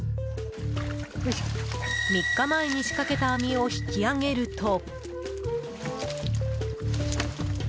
３日前に仕掛けた網を引き上げると。